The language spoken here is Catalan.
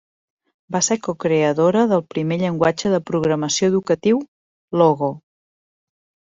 Va ser cocreadora del primer llenguatge de programació educatiu, Logo.